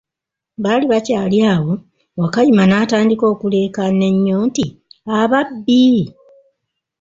Baali bakyali awo, Wakayima n'atandika okulekaana enyo nti, ababbi!